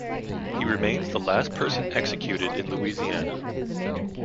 He remains the last person executed in Louisiana.